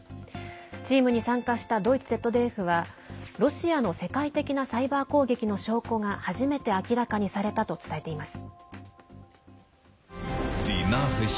チームに参加したドイツＺＤＦはロシアの世界的なサイバー攻撃の証拠が初めて明らかにされたと伝えています。